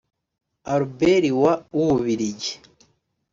Albert wa w’Ububiligi